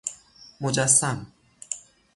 مجسم